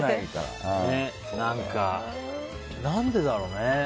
何でだろうね。